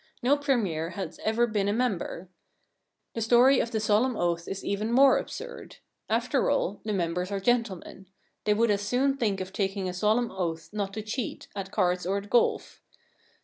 No Premier has ever been a member. The story of the solemn oath is even more absurd. After all, the members are gentlemen. They would as soon think of taking a solemn oath not to cheat at cards or at golf.